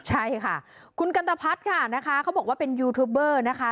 ใช่ค่ะคุณกันตะพัฒน์ค่ะนะคะเขาบอกว่าเป็นยูทูบเบอร์นะคะ